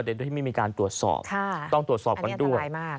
เนี่ยโดยไม่มีการตรวจสอบค่ะต้องตรวจสอบก่อนด้วยอันนี้อันตรายมาก